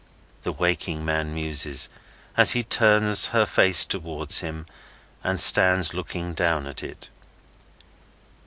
the waking man muses, as he turns her face towards him, and stands looking down at it.